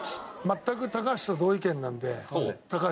全く高橋と同意見なんで。